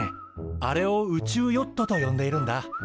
あれを宇宙ヨットと呼んでいるんだ。